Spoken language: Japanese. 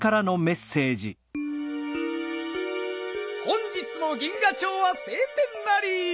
本日も銀河町はせい天なり！